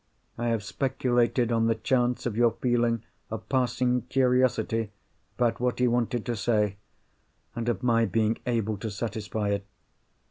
I have speculated on the chance of your feeling a passing curiosity about what he wanted to say, and of my being able to satisfy it.